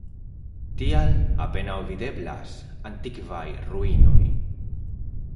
Tial apenaŭ videblas antikvaj ruinoj.